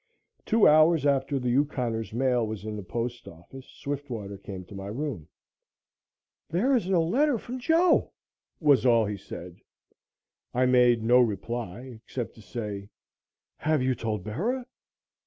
Two hours after the Yukoner's mail was in the postoffice, Swiftwater came to my room. "There is no letter from Joe," was all he said. I made no reply except to say: "Have you told Bera?"